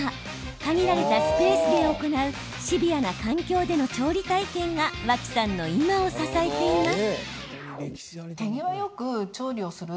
限られたスペースで行うシビアな環境での調理体験が脇さんの今を支えています。